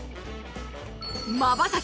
まばたき